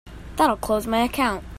That'll close my account.